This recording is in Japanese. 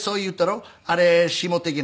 あれしもうてきなはれ。